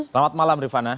selamat malam rifana